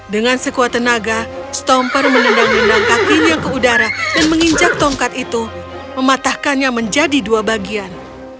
dengan sekuat tenaga stomper menendang nendang kakinya ke udara dan menginjak tongkat itu mematahkannya menjadi dua bagian